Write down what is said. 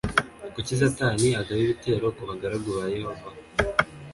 Kuki Satani agaba ibitero ku bagaragu ba Yehova